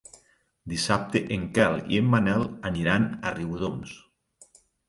Dissabte en Quel i en Manel aniran a Riudoms.